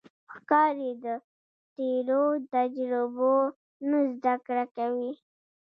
ښکاري د تیرو تجربو نه زده کړه کوي.